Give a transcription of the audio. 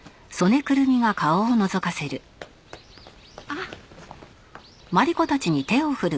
あっ！